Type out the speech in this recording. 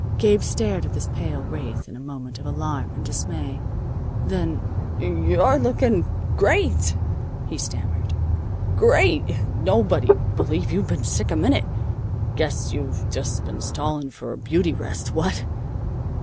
Gabe stared at this pale wraith in a moment of alarm and dismay. Then: "You're looking great!" he stammered. "Great! Nobody'd believe you'd been sick a minute. Guess you've just been stalling for a beauty rest, what?"